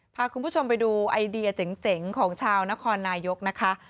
พาคุณผู้ชมไปดูไอเดียเจ๋งของชาวนครนายกนะคะ